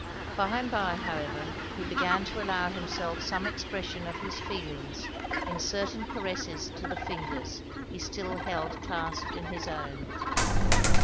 By and by however he began to allow himself some expression of his feelings in certain caresses to the fingers he still held clasped in his own.